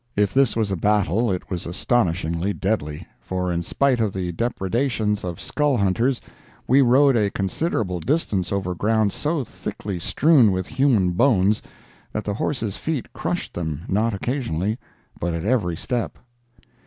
If this was a battle it was astonishingly deadly, for in spite of the depredations of "skull hunters," we rode a considerable distance over ground so thickly strewn with human bones that the horses' feet crushed them, not occasionally, but at every step.